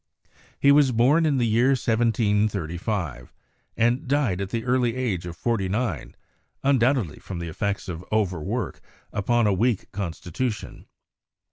He was born in the year 1735, and died at the early age of forty nine, undoubt edly from the effects of overwork upon a weak constitu tion.